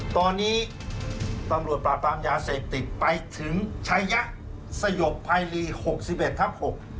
ตอนนี้ตำรวจปราบปรามยาเศษติไปถึงสยบภายลีหกสิบเอ็ดทับหก